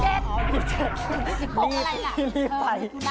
๑๖อะไรล่ะ